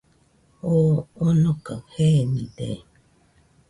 Oo onokaɨ jenide.